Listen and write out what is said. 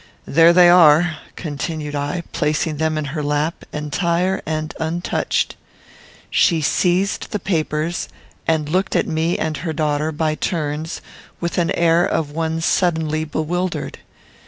There they are," continued I, placing them in her lap, entire and untouched. She seized the papers, and looked at me and at her daughter, by turns, with an air of one suddenly bewildered.